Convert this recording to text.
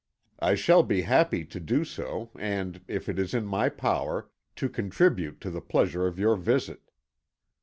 I shall be happy to do so, and, if it is in my power, to contribute to the pleasure of your visit."